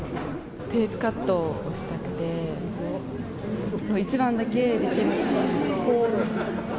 テープカットをしたくて、１番だけできるんですよ。